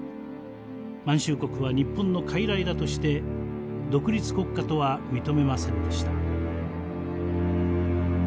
満州国は日本の傀儡だとして独立国家とは認めませんでした。